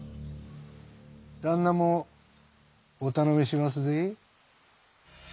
旦那もお頼みしますぜ。